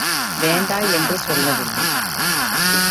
வேண்டா என்று சொல்லவில்லை.